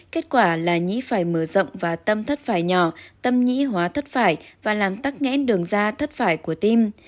kết quả là nhĩ phải mở rộng và tâm thất phải nhỏ tâm nhĩ hóa thất phải và làm tắt ngẽn đường ra thất phải của tim